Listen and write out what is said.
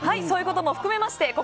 そういうことも含めまして